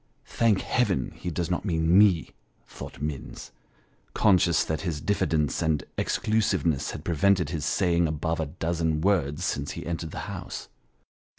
[" Thank Heaven, he does not mean me !" thought Minns, conscious that his diffidence and ex clusiveness had prevented his saying above a dozen words since he entered the house.